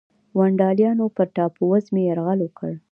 ونډالیانو پر ټاپو وزمې یرغل وکړ.